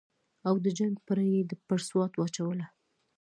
او د جنګ پړه یې پر سوات واچوله.